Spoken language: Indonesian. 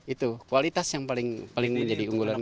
itu kualitas yang paling menjadi unggulan kami